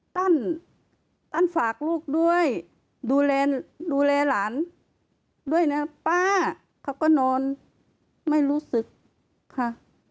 ตั้นฝากลูกด้วยดูแลหลานด้วยนะป้าเขาก็นอนไม่รู้สึกค่ะ